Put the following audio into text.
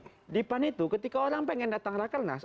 gini di pan itu ketika orang pengen datang rakyat lenas